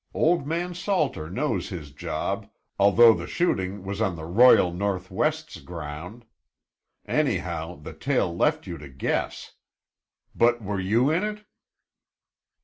Old man Salter knows his job, although the shooting was on the Royal North West's ground. Anyhow, the tale left you to guess. But were you in it?"